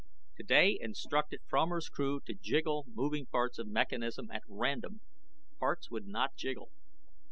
TODAY INSTRUCTED FROMER'S CREW TO JIGGLE MOVING PARTS OF MECHANISM AT RANDOM. PARTS WOULD NOT JIGGLE.